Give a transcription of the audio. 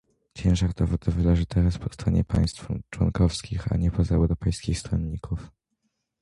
Ciężar dowodowy leży teraz po stronie państw członkowskich, a nie pozaeuropejskich stronników